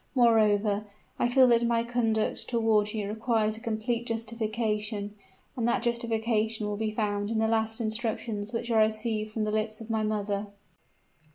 Moreover, I feel that my conduct toward you requires a complete justification; and that justification will be found in the last instructions which I received from the lips of my mother."